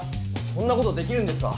そんな事できるんですか？